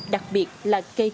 đặc biệt là cây có lá cây ăn trái